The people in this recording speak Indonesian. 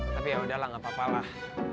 tapi yaudahlah gak apa apalah